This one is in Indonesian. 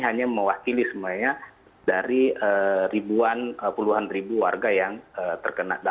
hanya mewakili semuanya dari ribuan puluhan ribu warga yang terkena